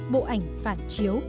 bộ ảnh phản chiếu